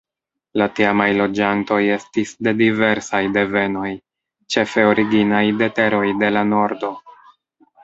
La tiamaj loĝantoj estis de diversaj devenoj, ĉefe originaj de teroj de la nordo.